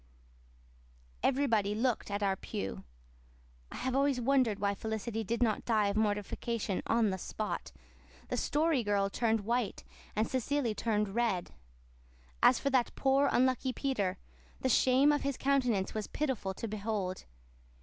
Everybody looked at our pew. I have always wondered why Felicity did not die of mortification on the spot. The Story Girl turned white, and Cecily turned red. As for that poor, unlucky Peter, the shame of his countenance was pitiful to behold.